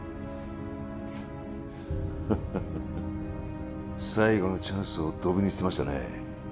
フフフ最後のチャンスをドブに捨てましたね